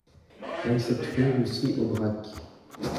vingt-sept rue Lucie-Aubrac